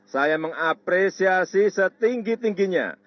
saya mengapresiasi setinggi tingginya